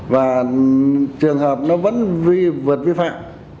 và trường hợp nó vẫn vượt vi phạm